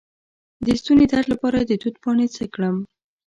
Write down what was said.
د ستوني درد لپاره د توت پاڼې څه کړم؟